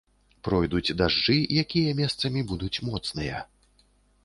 Пройдуць дажджы, якія месцамі будуць моцныя.